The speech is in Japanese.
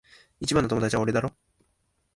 一番の友達は俺だろ？